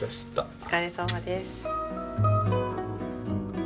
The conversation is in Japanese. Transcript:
お疲れさまです。